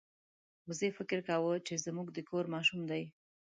وزې فکر کاوه چې زموږ د کور ماشوم دی.